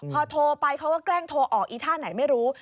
พอโทรไปเขาก็แกล้งโทรออกอีท่าไหนไม่รู้